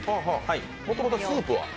もともとスープは？